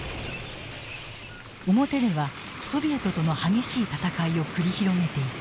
表ではソビエトとの激しい戦いを繰り広げていた。